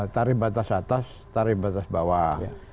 tarif batas atas tarif batas bawah